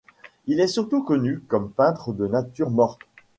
Il est surtout connu comme peintre de natures mortes.